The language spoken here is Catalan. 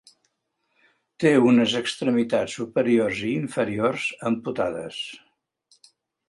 Té unes extremitats superiors i inferiors amputades.